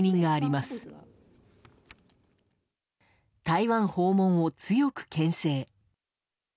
台湾訪問を強く牽制。